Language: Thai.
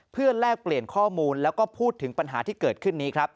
เพื่อแลกเปลี่ยนข้อมูลแล้วก็พูดถึงปัญหาที่เกิดขึ้นนี้ครับ